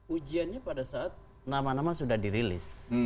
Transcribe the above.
ujiannya pada saat nama nama sudah dirilis